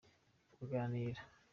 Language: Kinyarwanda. kuganira.